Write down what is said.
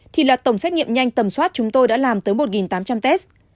thì là tổng xét nghiệm nhanh tầm soát chúng tôi đã làm tới một tám trăm linh test